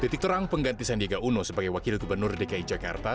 titik terang pengganti sandiaga uno sebagai wakil gubernur dki jakarta